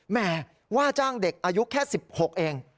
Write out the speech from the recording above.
แม่ว่าจ้างเด็กอายุแค่๑๖เอง